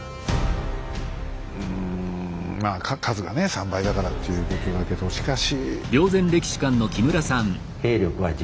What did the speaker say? うんまあ数がね３倍だからっていうことだけどしかし。